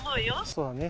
そうだね。